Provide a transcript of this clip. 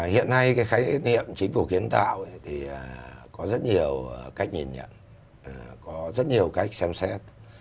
hiện nay cái khái niệm chính phủ kiến tạo thì có rất nhiều cách nhìn nhận có rất nhiều cách xem xét